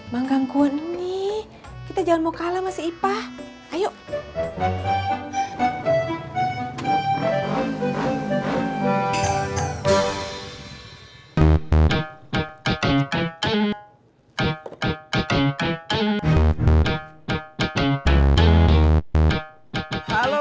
manggang kuni kita jangan mau kalah sama si ipah ayo